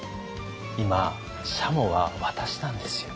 今しゃもは私なんですよ。